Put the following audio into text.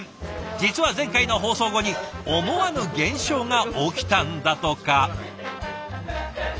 実は前回の放送後に思わぬ現象が起きたんだとか。